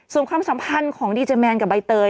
ส่วนความสัมพันธ์ของดีเจแมนกับใบเตย